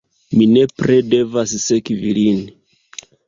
Mi nepre devas sekvi lin.